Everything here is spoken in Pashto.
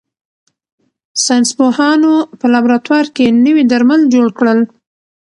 ساینس پوهانو په لابراتوار کې نوي درمل جوړ کړل.